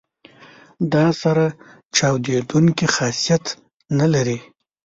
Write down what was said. دا سره چاودیدونکي خاصیت نه لري.